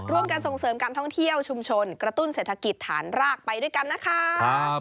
ส่งเสริมการท่องเที่ยวชุมชนกระตุ้นเศรษฐกิจฐานรากไปด้วยกันนะครับ